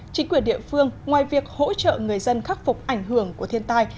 chính quyền địa phương ngoài việc hỗ trợ người dân khắc phục ảnh hưởng của thiên tai